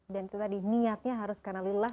dan itu tadi niatnya haruskan allah